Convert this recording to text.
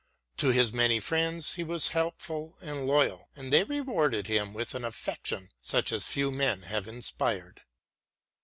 To his many friends he was helpful and loyal, and they rewarded him with an affection such as few men have inspired.